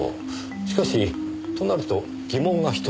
しかしとなると疑問が１つ。